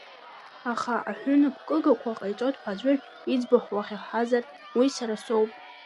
Аха аҳәынаԥкыгақәа ҟаиҵоит ҳәа аӡәыр иӡбахә уаҳахьазар, уи сара соуп…